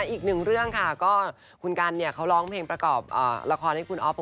อีกหนึ่งเรื่องค่ะก็คุณกันเขาร้องเพลงประกอบละครให้คุณอ๊อฟ